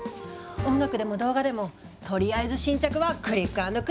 音楽でも動画でもとりあえず新着はクリックアンドクリックよ。